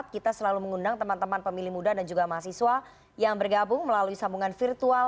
kita selalu mengundang teman teman pemilih muda dan juga mahasiswa yang bergabung melalui sambungan virtual